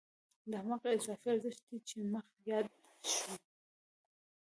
دا هماغه اضافي ارزښت دی چې مخکې یاد شو